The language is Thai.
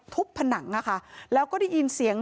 ผนังอ่ะค่ะแล้วก็ได้ยินเสียง